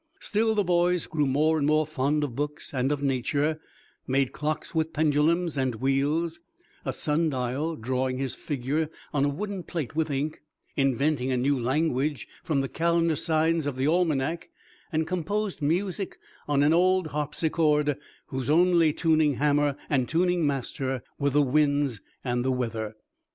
Still the boy grew more and more fond of books, and of Nature, made clocks with pendulums and wheels; a sun dial, drawing his figures on a wooden plate with ink; invented a new language from the calendar signs of the almanac; and composed music on an old harpsichord whose only tuning hammer and tuning master were the winds and the weather.